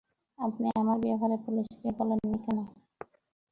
আপনি আমার ব্যাপারে পুলিশকে বলেননি কেন?